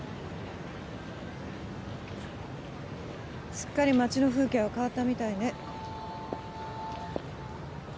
すっかり町の風景は変わったみたいね